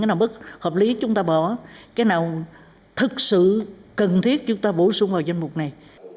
thế nào bất hợp lý chúng ta bỏ cái nào thực sự cần thiết chúng ta bổ sung vào danh mục này